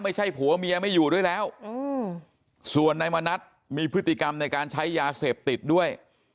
ไม่ใช่ผัวเมียไม่อยู่ด้วยแล้วส่วนนายมณัฐมีพฤติกรรมในการใช้ยาเสพติดด้วย